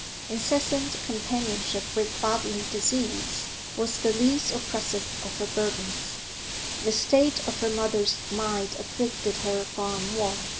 Incessant companionship with bodily disease was the least oppressive of her burdens; the state of her mother's mind afflicted her far more.